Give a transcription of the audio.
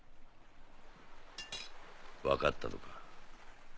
分かったのか。